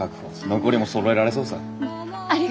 残りもそろえられそうさ。